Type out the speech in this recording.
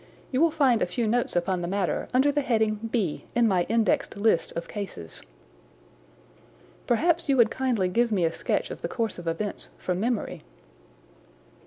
You will find a few notes upon the matter under the heading B in my indexed list of cases." "Perhaps you would kindly give me a sketch of the course of events from memory."